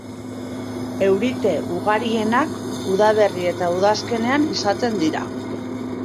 Eurite ugarienak udaberri eta udazkenean izaten dira.